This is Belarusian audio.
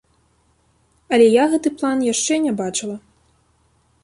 Але я гэты план яшчэ не бачыла.